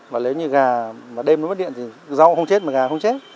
và nếu như gà mà đêm nó mất điện thì rau không chết mà gà không chết